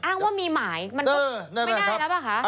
อ้างว่ามีหมายมันก็ไม่ได้แล้วป่ะคะ